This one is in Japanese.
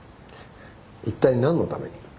一体何のために？